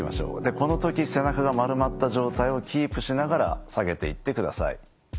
この時背中が丸まった状態をキープしながら下げていってください。